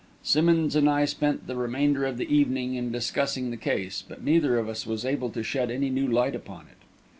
Simmonds and I spent the remainder of the evening in discussing the case, but neither of us was able to shed any new light upon it.